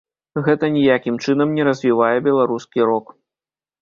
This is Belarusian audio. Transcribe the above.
Гэта ніякім чынам не развівае беларускі рок.